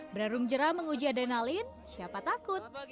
berarung jeram menguji adrenalin siapa takut